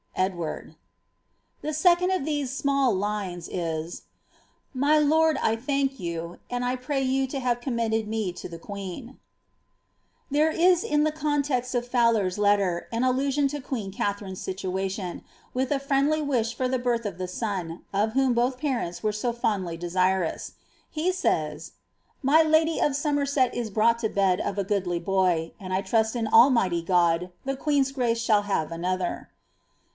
Edwabb." The second of " thest small ^ncj" la :—^ My lord, I thank you, and pray you [o have me commended to the There is in the context of Fowler's letter an allusion to queen Kn llarine's situation, with a friendly wish fur the birth of the son, of whom both parents were so fondly desirous. He says, '^ My lady of Somerset Is brought lo bed of a goodly boy, and I trust in Almighty God the queen's grace shall have another."